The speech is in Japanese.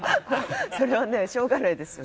それはねしょうがないですよ。